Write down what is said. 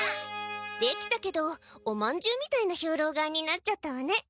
出来たけどおまんじゅうみたいな兵糧丸になっちゃったわね。